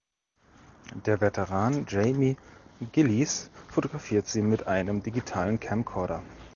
Der Veteran Jamie Gillis fotografiert sie mit einem digitalen Camcorder.